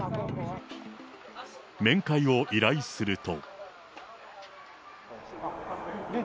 面会を依頼すると。